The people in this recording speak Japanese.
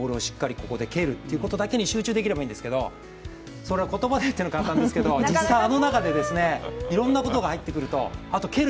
ここで蹴るっていうことだけに集中できればいいんですけどそれを言葉で言うのは簡単ですけど実際、あの中でいろんなことが入ってくるとあと蹴る